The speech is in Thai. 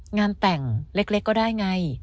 งานแต่งเล็กก็ได้ไง